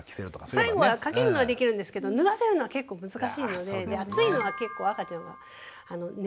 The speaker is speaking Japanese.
最後は掛けるのはできるんですけど脱がせるのは結構難しいので暑いのは結構赤ちゃんは眠りに落ちにくい。